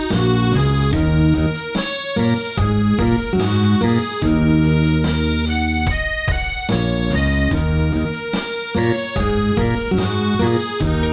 เพลง